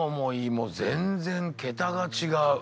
もう全然桁が違う。